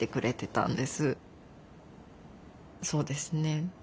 そうですね